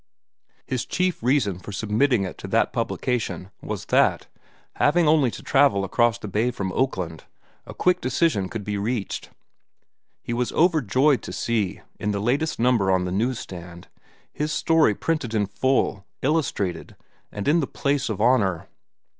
His chief reason for submitting it to that publication was that, having only to travel across the bay from Oakland, a quick decision could be reached. Two weeks later he was overjoyed to see, in the latest number on the news stand, his story printed in full, illustrated, and in the place of honor.